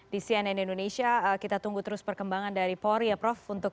di cnn indonesia kita tunggu terus perkembangan dari polri ya prof